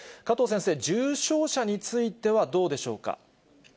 加藤先生、重症者については、どうでしょうか。